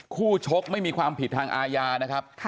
ชกไม่มีความผิดทางอาญานะครับ